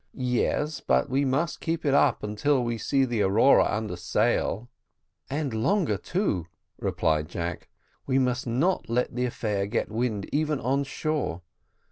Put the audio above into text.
"Yes, but we must keep it up until we see the Aurora under all sail." "And longer too," replied Jack; "we must not let the affair get wind even on shore.